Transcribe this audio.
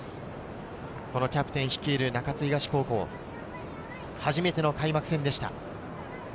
キャプテン率いる中津東高校、初めての開幕戦でした。